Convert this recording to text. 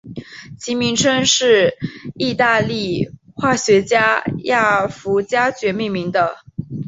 其名称是以义大利化学家亚佛加厥命名的。